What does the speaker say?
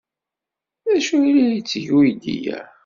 D acu ay la yetteg uydi-a?